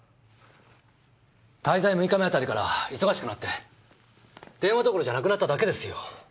滞在６日目あたりから忙しくなって電話どころじゃなくなっただけですよ。